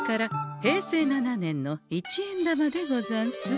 平成７年の一円玉でござんす。